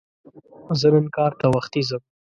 زه نن کار ته وختي ځم